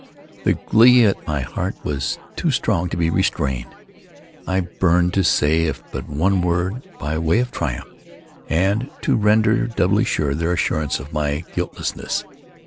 The glee at my heart was too strong to be restrained. I burned to say if but one word, by way of triumph, and to render doubly sure their assurance of my guiltlessness.